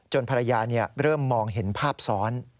ภรรยาเริ่มมองเห็นภาพซ้อน